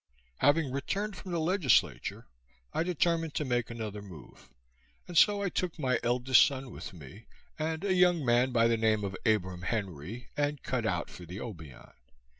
Having returned from the Legislature, I determined to make another move, and so I took my eldest son with me, and a young man by the name of Abram Henry, and cut out for the Obion.